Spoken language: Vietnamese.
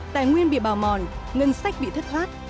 tài nguyên bị bào mòn ngân sách bị thất thoát